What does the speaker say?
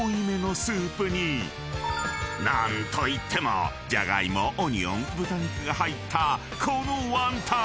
［何といってもじゃがいもオニオン豚肉が入ったこのワンタン］